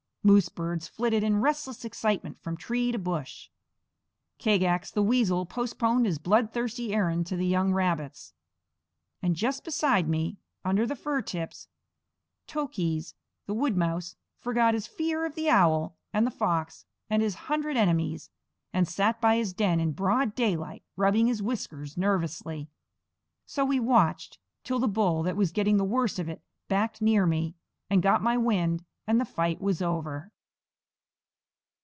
Moose birds flitted in restless excitement from tree to bush. Kagax the weasel postponed his bloodthirsty errand to the young rabbits. And just beside me, under the fir tips, Tookhees the wood mouse forgot his fear of the owl and the fox and his hundred enemies, and sat by his den in broad daylight, rubbing his whiskers nervously. So we watched, till the bull that was getting the worst of it backed near me, and got my wind, and the fight was over.